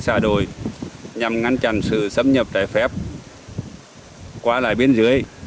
chúng tôi đang ngăn chặn sự xâm nhập trái phép qua lại biên giới